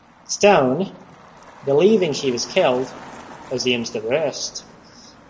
Stone, believing she was killed, assumes the worst.